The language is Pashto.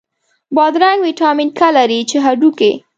بادرنګ ویټامین K لري، چې هډوکی